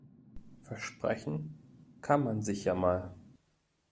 Versprechen kann man sich ja mal.